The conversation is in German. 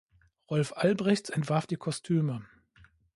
Rolf Albrecht entwarf die Kostüme.